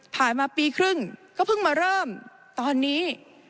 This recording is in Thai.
มาปีครึ่งก็เพิ่งมาเริ่มตอนนี้